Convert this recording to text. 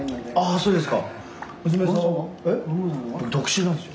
そうですか。